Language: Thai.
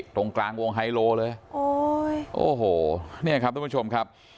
ตรงกลางวงไฮโลเลยโอ้ยโอ้โหเนี่ยครับทุกผู้ชมครับ